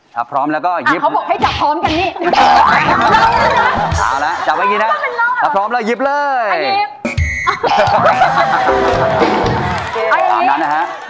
จับพร้อมกันเลยละกัน